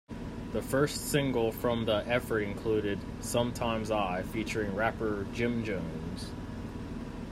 The first single from the effort included "Sumtimes I" featuring rapper Jim Jones.